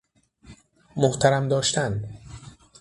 محترم داشتن